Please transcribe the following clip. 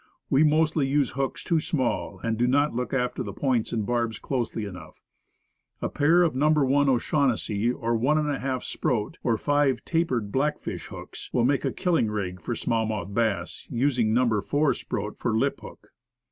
We mostly use hooks too small, and do not look after points and barbs closely enough. A pair of No. 1 O'Shaughnessy, or ij4 Sproat, or five tapered black fish hooks, will make a killing rig for small mouthed bass, using No. 4 Sproat for lip hook.